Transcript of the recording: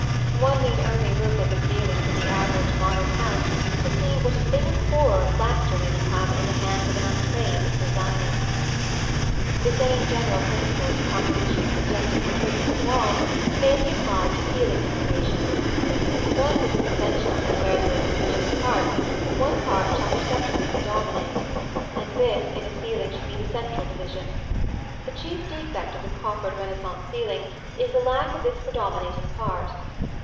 One need only look at the ceilings in the average modern house to see what a thing of horror plaster may become in the hands of an untrained "designer." The same general principles of composition suggested for the treatment of walls may be applied to ceiling decoration. Thus it is essential that where there is a division of parts, one part shall perceptibly predominate; and this, in a ceiling, should be the central division. The chief defect of the coffered Renaissance ceiling is the lack of this predominating part.